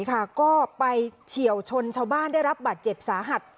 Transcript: ก็ไปเฉียวชนชาวบ้านได้รับบาดเจ็บสาหัส